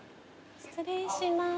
失礼します。